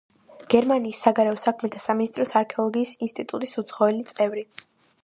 გერმანიის საგარეო საქმეთა სამინისტროს არქეოლოგიის ინსტიტუტის უცხოელი წევრი.